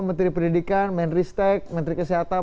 menteri pendidikan menteri stek menteri kesehatan